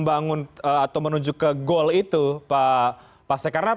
atau menuju ke goal itu pak sekarang